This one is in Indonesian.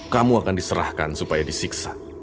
kamu akan diserahkan supaya disiksa